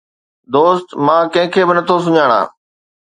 دوست، مان ڪنهن کي به نٿو سڃاڻان